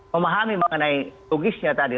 memahami mengenai logisnya tadi